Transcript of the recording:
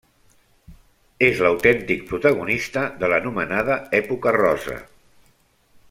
És l'autèntic protagonista de l'anomenada època rosa.